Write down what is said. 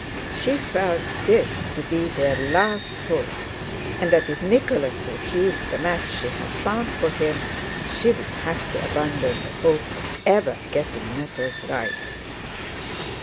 She felt this to be their last hope and that if Nicholas refused the match she had found for him, she would have to abandon the hope of ever getting matters right.